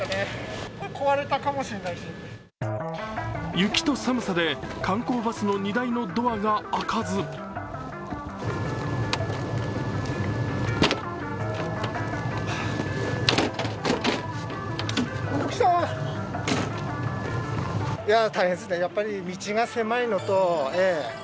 雪と寒さで観光バスの荷台のドアが開かずきたー！